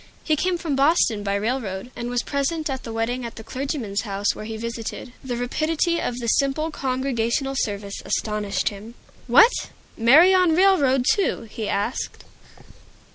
He came from Boston by railroad, and was present at the wedding at the clergyman's house where he visited. The rapidity of the simple Congregational service astonished him. "What? Marry on railroad, too?" he asked.